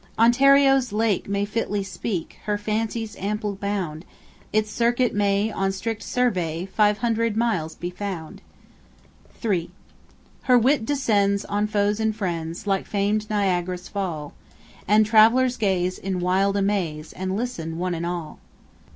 Ontario's lake may fitly speak Her fancy's ample bound: Its circuit may, on strict survey Five hundred miles be found. 3. Her wit descends on foes and friends Like famed Niagara's Fall; And travellers gaze in wild amaze, And listen, one and all.